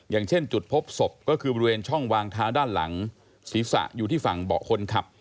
อย่างเช่นจุดพบศพก็คือบริเวณช่องวางเท้าด้านหลังศีรษะอยู่ที่ฝั่งเบาะคนขับ